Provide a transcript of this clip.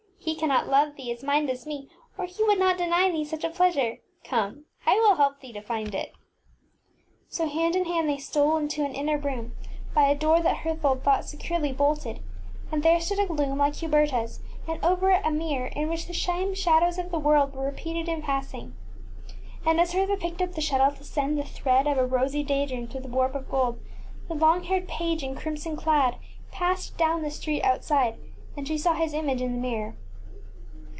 He cannot love thee as mine does me, or he would not deny thee such a pleasure. Come! I will help thee to find it. ŌĆÖ So hand in hand they stole into an inner room me meet flfllrabetsf by a door that Herthold thought securely bolted, and there stood a loom like HubertaŌĆÖs, and over it a mirror in which the same shadows of the world were repeated in passing. And as Hertha picked up the shuttle to send the thread of a rosy day dream through the warp of gold, the long haired page in crimson clad passed down the street outside, and she saw his image in the mirror.